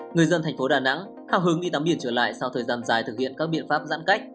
người dân thành phố đà nẵng hào hứng đi tắm biển trở lại sau thời gian dài thực hiện các biện pháp giãn cách